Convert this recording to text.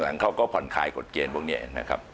หลังเขาก็ผ่อนคลายกฎเกณฑ์พวกนี้นะครับ